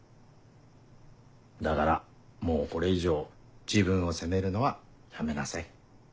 だからもうこれ以上自分を責めるのはやめなさい。